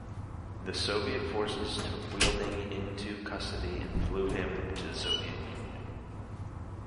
The Soviet forces took Weidling into custody and flew him to the Soviet Union.